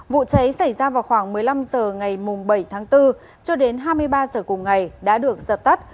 vụ cháy xảy ra vào khoảng một mươi năm giờ ngày bảy tháng bốn cho đến hai mươi ba giờ cùng ngày đã được giật tắt